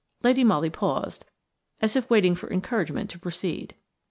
Lady Molly paused, as if waiting for encouragement to proceed.